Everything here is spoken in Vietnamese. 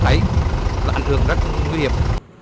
đấy là ảnh hưởng rất nguy hiểm